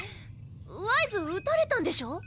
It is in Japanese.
ワイズ撃たれたんでしょ？